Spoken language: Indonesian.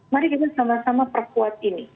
mari kita sama sama perkuat ini